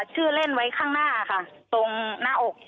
ชื่อเล่นไว้ข้างหน้าค่ะตรงหน้าอก